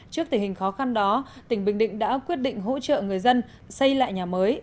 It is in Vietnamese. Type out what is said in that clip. trước tình hình khó khăn đó tỉnh bình định đã quyết định hỗ trợ người dân xây lại nhà mới